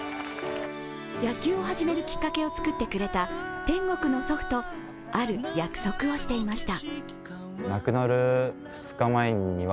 野球を始めるきっかけを作ってくれた天国の祖父とある約束をしていました。